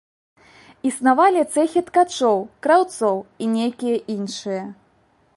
Існавалі цэхі ткачоў, краўцоў і нейкія іншыя.